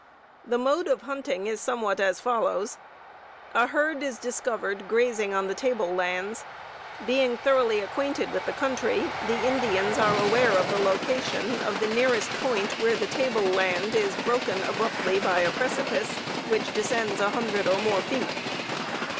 "The mode of hunting is somewhat as follows: A herd is discovered grazing on the table lands. Being thoroughly acquainted with the country, the Indians are aware of the location of the nearest point where the table land is broken abruptly by a precipice which descends a hundred or more feet.